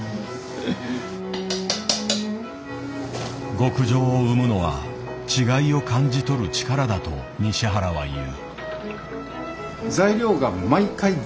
極上を生むのは違いを感じ取る力だと西原は言う。